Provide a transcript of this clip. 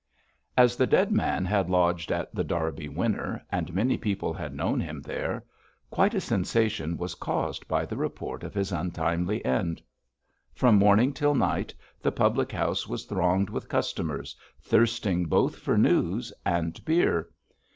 As the dead man had lodged at The Derby Winner, and many people had known him there, quite a sensation was caused by the report of his untimely end. From morning till night the public house was thronged with customers, thirsting both for news and beer.